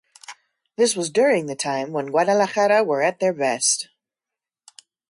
This was during the time when Guadalajara were at their best.